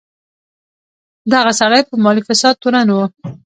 دغه سړی په مالي فساد تورن و.